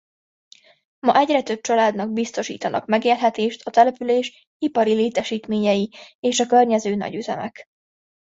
Ma egyre több családnak biztosítanak megélhetést a település ipari létesítményei és a környező nagyüzemek.